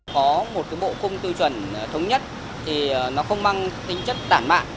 có một bộ khung tiêu chuẩn thống nhất thì nó không mang tính chất tản mạng